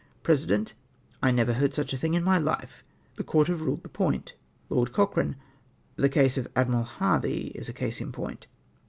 '' Peesident. —"/ never heard sUcJt a thinrj in my life. The Court have ruled the point.'' LoED CocHEANE. —" The case of Admiral Harvey is a case in point."